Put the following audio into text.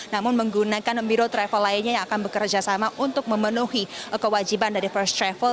namun menggunakan biro travel lainnya yang akan bekerjasama untuk memenuhi kewajiban dari first travel